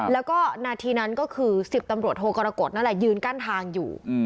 แล้วก็นาทีนั้นก็คือ๑๐ตำรวจโทกรกฎนั่นแหละยืนกั้นทางอยู่